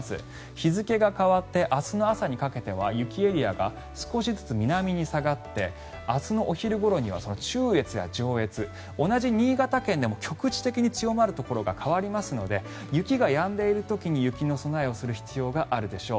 日付が変わって明日の朝にかけては雪エリアが少しずつ南に下がって明日のお昼ごろには中越や上越同じ新潟県でも局地的に強まるところが変わりますので雪がやんでいる時に雪の備えをする必要があるでしょう。